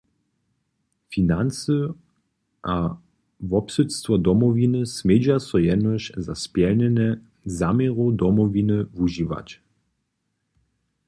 Financy a wobsydstwo Domowiny smědźa so jenož za spjelnjenje zaměrow Domowiny wužiwać.